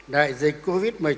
đại dịch covid một mươi chín